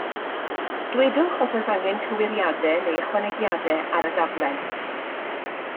Dwedwch os oes angen cywiriadau neu ychwanegiadau ar y daflen.